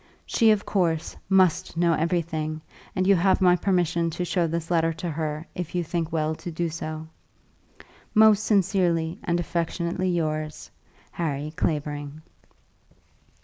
She of course must know everything, and you have my permission to show this letter to her if you think well to do so. Most sincerely and affectionately yours, HARRY CLAVERING.